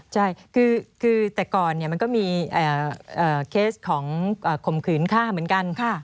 ใช่คือแต่ก่อนมันก็มีเคสของข่มขืนฆ่าเหมือนกัน